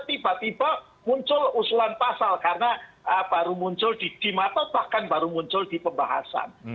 tiba tiba muncul usulan pasal karena baru muncul di mata bahkan baru muncul di pembahasan